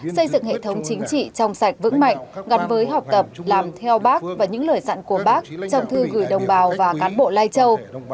xây dựng hệ thống chính trị trong sạch vững mạnh gắn với học tập làm theo bác và những lời dặn của bác trong thư gửi đồng bào và cán bộ lai châu